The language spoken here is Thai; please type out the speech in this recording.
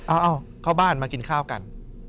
เอาเข้าบ้านมากินข้าวกัน